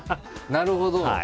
なるほど。